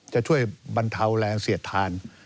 จะช่วยบรรเทาแรงเสียดทาน